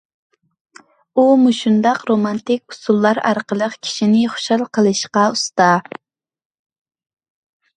ئۇ مۇشۇنداق رومانتىك ئۇسۇللار ئارقىلىق كىشىنى خۇشال قىلىشقا ئۇستا.